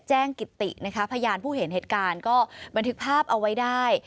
กิตินะคะพยานผู้เห็นเหตุการณ์ก็บันทึกภาพเอาไว้ได้